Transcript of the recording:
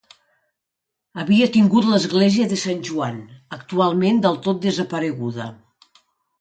Havia tingut l'església de Sant Joan, actualment del tot desapareguda.